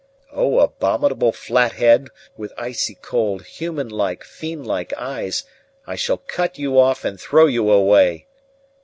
"O abominable flat head, with icy cold, humanlike, fiend like eyes, I shall cut you off and throw you away!"